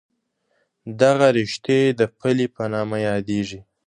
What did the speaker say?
دغه رشتې د پلې په نامه یادېږي.